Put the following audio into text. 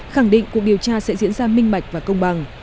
khẳng định cuộc điều tra sẽ diễn ra minh bạch và công bằng